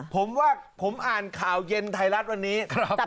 ผมว่าผมอ่านข่าวเย็นไทยรัฐวันนี้